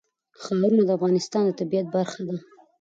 ښارونه د افغانستان د طبیعت برخه ده.